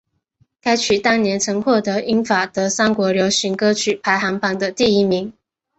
该曲当年曾获得英法德三国流行歌曲排行榜的第一名。